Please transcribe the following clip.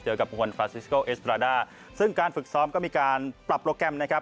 กับบุคคลฟราซิสโกเอสตราด้าซึ่งการฝึกซ้อมก็มีการปรับโปรแกรมนะครับ